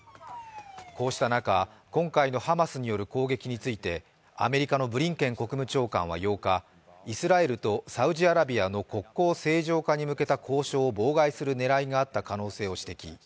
こうした中、今回のハマスによる攻撃についてアメリカのブリンケン国務長官は８日、イスラエルとサウジアラビアの国交正常化に向けた交渉を妨害する狙いがあった可能性を指摘。